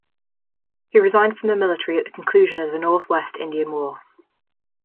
He resigned from the military at the conclusion of the Northwest Indian War.